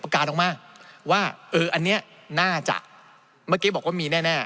ออกมาว่าเอออันนี้น่าจะเมื่อกี้บอกว่ามีแน่